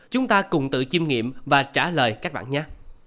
chúng ta cùng tự chiêm nghiệm và trả lời các bạn nhắc